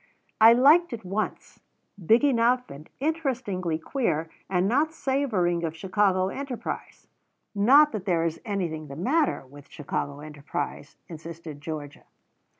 "I liked it at once. Big enough and interestingly queer, and not savouring of Chicago enterprise." "Not that there is anything the matter with Chicago enterprise," insisted Georgia.